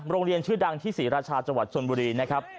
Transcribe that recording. โรงเรียนชื่อดังที่ศรีราชาจังหวัดชนบุรีนะครับ